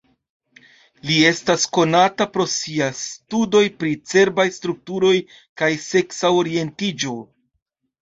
Li estas konata pro siaj studoj pri cerbaj strukturoj kaj seksa orientiĝo.